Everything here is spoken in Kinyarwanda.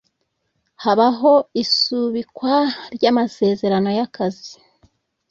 habaho isubikwa ry amasezerano y akazi